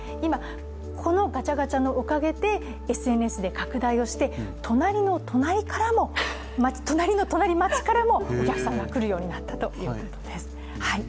このガチャガチャのおかげで、ＳＮＳで拡大をして、隣の隣町からもお客さんが来るようになっこということです。